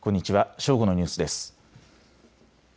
正午のニュースです。